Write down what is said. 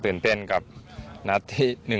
ตื่นเต้นกับนัดที่๑๑